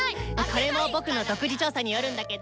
これも僕の独自調査によるんだけど。